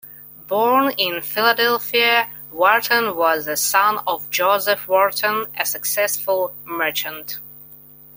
Born in Philadelphia, Wharton was the son of Joseph Wharton, a successful merchant.